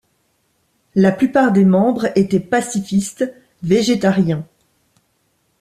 La plupart des membres étaient pacifistes, végétariens.